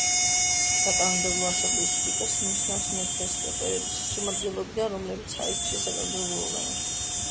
საკანონმდებლო ასამბლეის სპიკერს ნიშნავს მეფე პერების შემადგენლობიდან, რომლებიც აირჩიეს საკანონმდებლო ორგანოში.